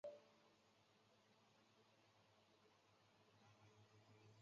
小组前两名直接晋级八强。